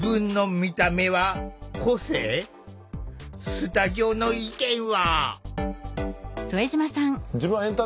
スタジオの意見は？